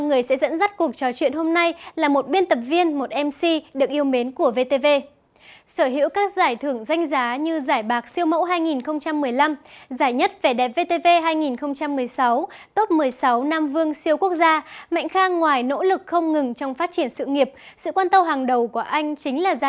ngay sau đây hãy cùng bắt đầu chương trình với mục trò chuyện cùng chuyên gia